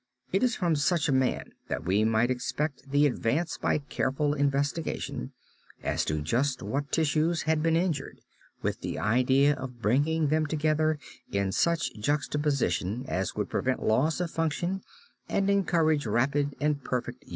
It is from such a man that we might expect the advance by careful investigation as to just what tissues had been injured, with the idea of bringing them together in such juxtaposition as would prevent loss of function and encourage rapid and perfect union.